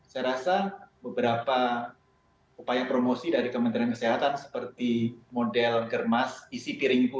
saya rasa beberapa upaya promosi dari kementerian kesehatan seperti model germas isi piringku